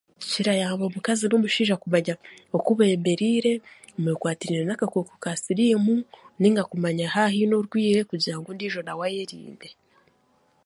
Kirayamba omuakazi n'omushaija kumanya oku beemereire omu bikwatiraine n'akakooko ka siriimu nainga kumanya haaba haine orwaire kugira ngu n'ondiijo nawe ayerinde